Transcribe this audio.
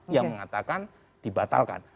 yang mengatakan dibatalkan